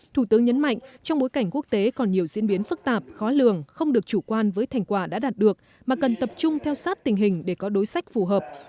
thủ tướng nhấn mạnh trong bối cảnh quốc tế còn nhiều diễn biến phức tạp khó lường không được chủ quan với thành quả đã đạt được mà cần tập trung theo sát tình hình để có đối sách phù hợp